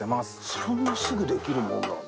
そんなすぐできるものなんだ。